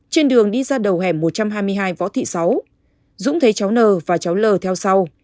trên đường đi ra đầu hẻm một trăm hai mươi hai võ thị sáu dũng thấy cháu n và cháu l theo sau